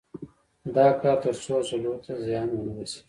دا کار تر څو عضلو ته زیان ونه رسېږي.